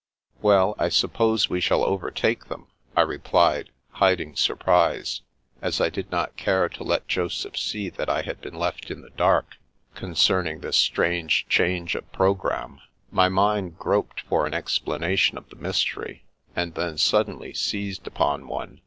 " Well, I suppose we shall overtake them," I re plied, hiding surprise, as I did not care to let Joseph see that I had been left in the dark concerning this strange change of programme. My mind groped for an explanation of the mystery, and then sud denly seized upon one.